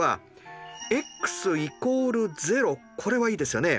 これはいいですよね。